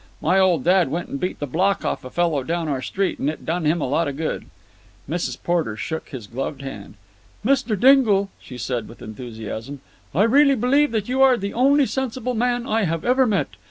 My old dad went and beat the block off a fellow down our street, and it done him a lot of good." Mrs. Porter shook his gloved hand. "Mr. Dingle," she said with enthusiasm, "I really believe that you are the only sensible man I have ever met.